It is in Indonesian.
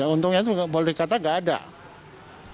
untungnya itu boleh dikatakan tidak ada